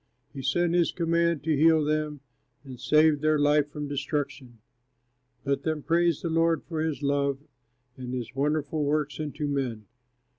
He sent his command to heal them, And saved their life from destruction. Let them praise the Lord for his love, And his wonderful works unto men!